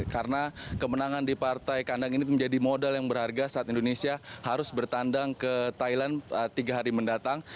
karena kemenangan di partai kandang ini menjadi modal yang berharga saat indonesia harus bertandang ke thailand tiga hari mendatang